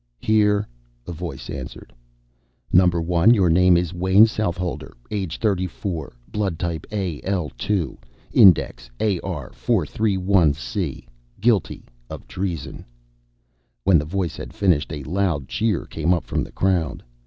"Here," a voice answered. "Number 1, your name is Wayn Southholder. Age 34, blood type A L2, Index AR 431 C. Guilty of treason." When the voice had finished, a loud cheer came up from the crowd.